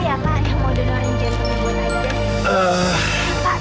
yang mau donorin jantungnya bu nayak